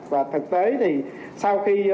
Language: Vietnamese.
và thực tế thì sau khi